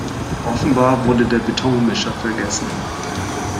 Offenbar wurde der Betonmischer vergessen.